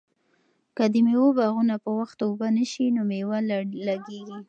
که د مېوو باغونه په وخت اوبه نشي نو مېوه لږیږي.